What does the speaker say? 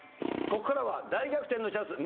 ここからは大逆転のチャンス。